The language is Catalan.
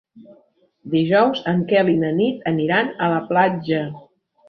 Dijous en Quel i na Nit aniran a la platja.